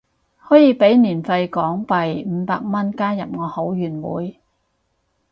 可以俾年費港幣五百蚊加入我後援會